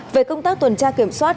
về công tác tuần tra kiểm soát